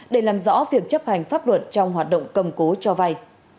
để làm rõ việc chấp hành pháp luật trong hoạt động cầm cố cho vay